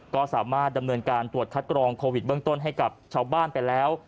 ก็สามารถดำเนินการตรวจคัดกรองโควิดเบื้องต้นให้กับชาวบ้านไปแล้ว